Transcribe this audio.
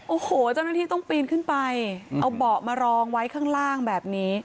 โอ้โหเจ้าหน้าที่ต้องปีนขึ้นไปเอาเบาะมารองไว้ข้างล่างแบบนี้